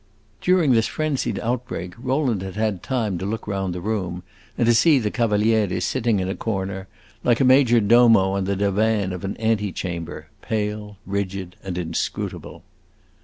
During this frenzied outbreak Rowland had had time to look round the room, and to see the Cavaliere sitting in a corner, like a major domo on the divan of an antechamber, pale, rigid, and inscrutable.